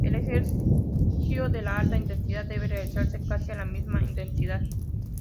El ejercicio de alta intensidad debe realizarse casi a la máxima intensidad.